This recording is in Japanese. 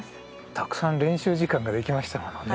たくさん練習時間ができましたものね。